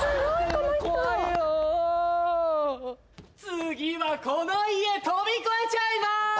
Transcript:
次はこの家とび越えちゃいまーす！